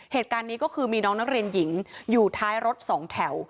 เหตุการณ์นี้ก็คือมีน้องนักเรียนหญิงอยู่ท้ายรถสองแถว